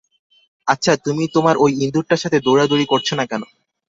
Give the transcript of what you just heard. আচ্ছা, তুমি তোমার ঐ ইন্দুরটার সাথে দৌড়াদৌড়ি করছো না কেন?